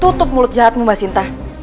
tutup mulut jahatmu mbak sinta